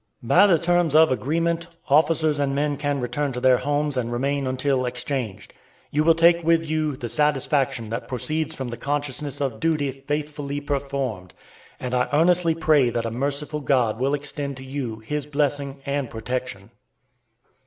By the terms of agreement, officers and men can return to their homes and remain until exchanged. You will take with you the satisfaction that proceeds from the consciousness of duty faithfully performed, and I earnestly pray that a merciful God will extend to you his blessing and protection.